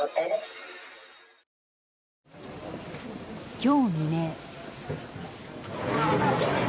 今日未明。